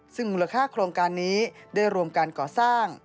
ซึ่งมูลค่าโครงการนี้ได้รวมการก่อสร้าง